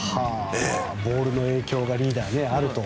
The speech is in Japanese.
ボールの影響がリーダー、あると。